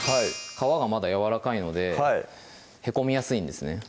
皮がまだやわらかいのでへこみやすいんですね